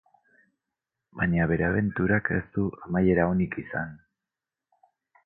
Baina bere abenturak ez du amaiera onik izan.